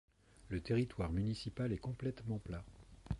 Le territoire municipal est complètement plat.